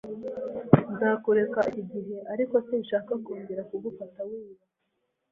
Nzakureka iki gihe, ariko sinshaka kongera kugufata wiba.